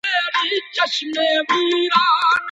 د مور شیدو بدیل څه کیدلای سي؟